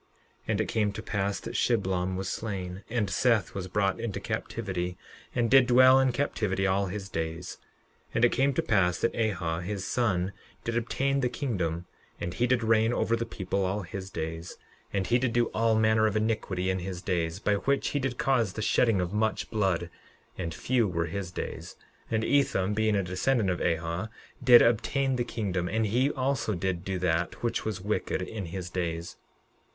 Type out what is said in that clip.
11:9 And it came to pass that Shiblom was slain, and Seth was brought into captivity, and did dwell in captivity all his days. 11:10 And it came to pass that Ahah, his son, did obtain the kingdom; and he did reign over the people all his days. And he did do all manner of iniquity in his days, by which he did cause the shedding of much blood; and few were his days. 11:11 And Ethem, being a descendant of Ahah, did obtain the kingdom; and he also did do that which was wicked in his days.